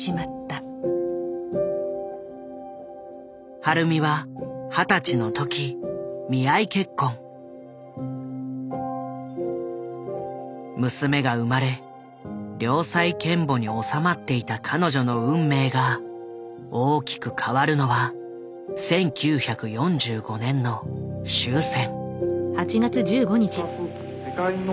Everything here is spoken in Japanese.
晴美は娘が生まれ良妻賢母におさまっていた彼女の運命が大きく変わるのは１９４５年の終戦。